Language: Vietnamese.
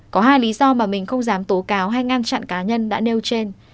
có hai lý do mà mình không dám tố cáo hay ngăn chặn cá nhân đã nêu trên